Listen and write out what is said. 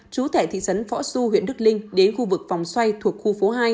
chú tải thị trấn võ xu huyện đức linh đến khu vực phòng xoay thuộc khu phố hai